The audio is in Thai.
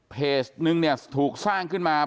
เพจนึงเนี่ยถูกสร้างขึ้นมา